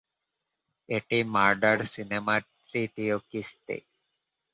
এটি মার্ডার সিনেমার তৃতীয় কিস্তি।